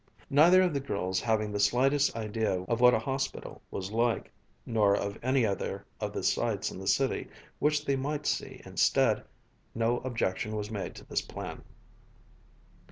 Neither of the girls having the slightest idea of what a hospital was like, nor of any other of the sights in the city which they might see instead, no objection was made to this plan.